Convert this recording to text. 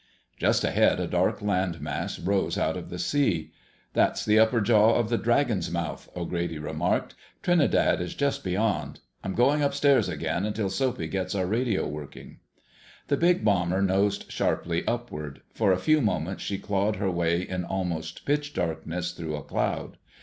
Just ahead a dark land mass rose out of the sea. "That's the upper jaw of the 'Dragon's Mouth,'" O'Grady remarked. "Trinidad is just beyond. I'm going upstairs again, until Soapy gets our radio working." The big bomber nosed sharply upward. For a few moments she clawed her way in almost pitch darkness through a cloud.